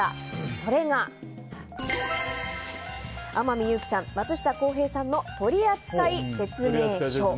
それが天海祐希さん、松下洸平さんの取扱説明書。